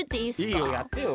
いいよやってよ。